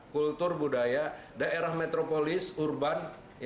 kultur budaya daerah metropolis urban